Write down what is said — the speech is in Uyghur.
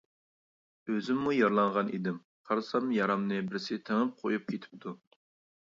ئۆزۈممۇ يارىلانغان ئىدىم، قارىسام يارامنى بىرسى تېڭىپ قويۇپ كېتىپتۇ.